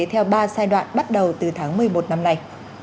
theo ba giai đoạn bắt đầu từ tháng một mươi một năm nay